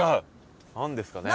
何ですかね？